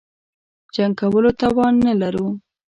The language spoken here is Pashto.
جنګ کولو توان نه لرو.